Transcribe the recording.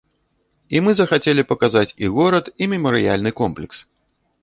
І мы захацелі паказаць і горад, і мемарыяльны комплекс.